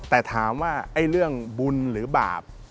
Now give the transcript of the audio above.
แต่ถามว่าไอ้เรื่องบุญหรือบาป